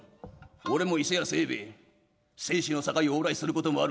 俺も伊勢屋清兵衛生死の境を往来する事もある。